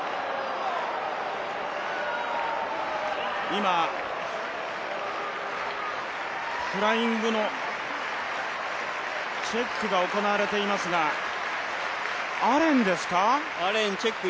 今、フライングのチェックが行われていますが、アレンですか。